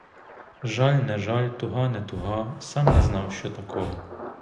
Жаль не жаль, туга не туга, сам не знав, що такого.